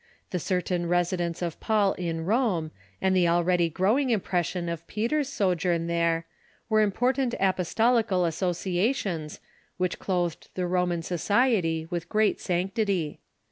The certain residence of Paul in Rome, and the already growing impression of Peter's so journ there, were important apostolical associations, Avhich clothed the Roman society with great sanctit}'.